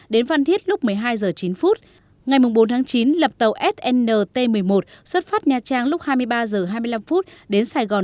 đến phan thiết lúc một mươi hai h chín ngày bốn tháng chín lập tàu snt một mươi một xuất phát nha trang lúc hai mươi ba h hai mươi năm đến sài gòn